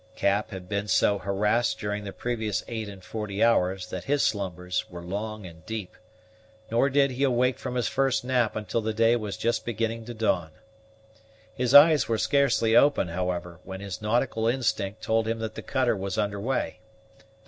Cap had been so harassed during the previous eight and forty hours, that his slumbers were long and deep; nor did he awake from his first nap until the day was just beginning to dawn. His eyes were scarcely open, however, when his nautical instinct told him that the cutter was under way.